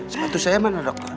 sepatu saya mana dokter